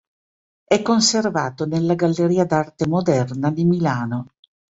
È conservato nella Galleria d'arte moderna di Milano.